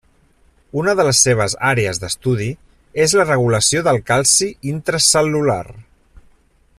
Una de les seves àrees d'estudi és la regulació del calci intracel·lular.